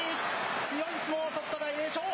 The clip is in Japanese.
強い相撲を取った大栄翔。